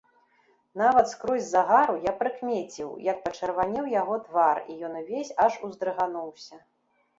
Нават скрозь загару я прыкмеціў, як пачырванеў яго твар, і ён увесь аж уздрыгануўся.